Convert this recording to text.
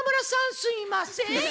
「すいません」